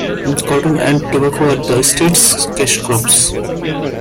Cotton and tobacco are the state's cash crops.